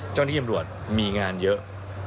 เจ้าหน้าที่รำรวจมีงานเยอะ